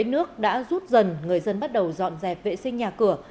nước đã rút dần người dân bắt đầu dọn dẹp vệ sinh nhà cửa